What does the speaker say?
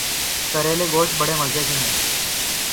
کریلے گوشت بڑے مزے کے ہیں